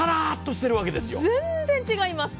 全然違います。